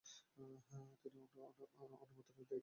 তিনি অন্য মন্ত্রণালয়ের দায়িত্বে ছিলেন।